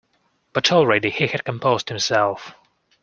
But already he had composed himself.